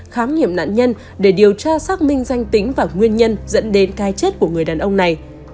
khám nghiệm nạn nhân để điều tra xác minh danh tính và nguyên nhân dẫn đến cái chết của người đàn ông này